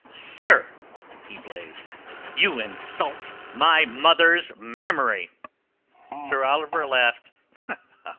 "Sir," he blazed, "you insult my mother's memory!" Sir Oliver laughed.